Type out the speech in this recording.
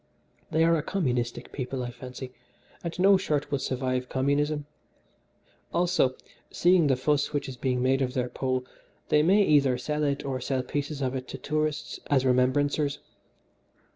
They are a communistic people, I fancy, and no shirt will survive communism. Also, seeing the fuss which is being made of their Pole, they may either hide it or sell pieces of it to tourists as remembrancers.